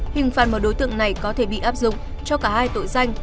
hình phạt mà đối tượng này có thể bị áp dụng cho cả hai tội danh